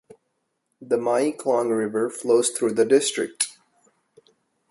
The Mae Klong river flows through the district.